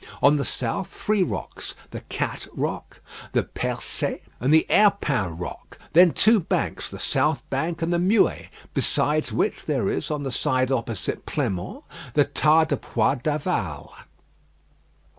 On the south, three rocks the Cat Rock, the Percée, and the Herpin Rock; then two banks the South Bank and the Muet: besides which, there is, on the side opposite Pleinmont, the Tas de Pois d'Aval.